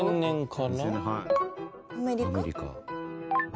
アメリカ。